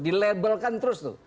dilabelkan terus tuh